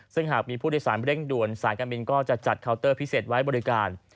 ซึ่งหากมีผู้โดยสารเร่งด่วนสายการบินก็จะจัดเคาน์เตอร์พิเศษไว้บริการ